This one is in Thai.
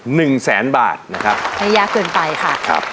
หนึ่งแสนบาทนะครับให้ยากเกินไปค่ะครับ